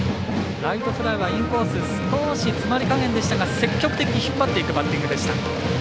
ライトフライはインコース少し詰まり加減でしたが積極的に引っ張っていくバッティングでした。